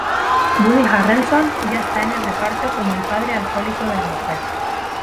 Woody Harrelson ya está en el reparto como el padre alcohólico de la mujer.